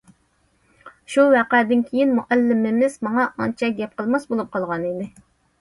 شۇ ۋەقەدىن كېيىن مۇئەللىمىمىز ماڭا ئانچە گەپ قىلماس بولۇپ قالغانىدى.